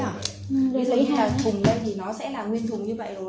thùng đây thì nó sẽ là nguyên thùng như vậy rồi